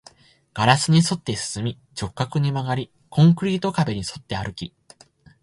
ガラスに沿って進み、直角に曲がり、コンクリート壁に沿って歩き